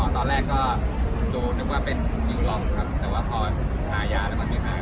ตอนแรกก็ดูนึกว่าเป็นหญิงรองครับแต่ว่าพอหายาแล้วมันไม่หาย